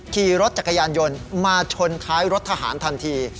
ขี่รถจักรยานยนต์มาชนท้ายรถทหารทันที